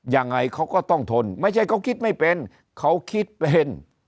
ยังไงเขาก็ต้องทนไม่ใช่เขาคิดไม่เป็นเขาคิดเป็น